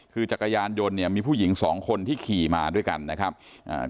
คือจักรยานยนต์เนี่ยมีผู้หญิงสองคนที่ขี่มาด้วยกันนะครับอ่า